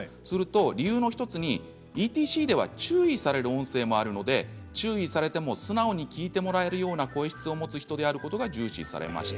理由の１つにＥＴＣでは注意されるおそれもあるので注意されても素直に聞いてもらえるような声質を持つ人であることが重視されました。